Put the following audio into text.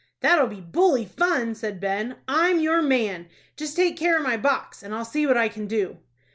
"That'll be bully fun," said Ben. "I'm your man. Just take care of my box, and I'll see what I can do."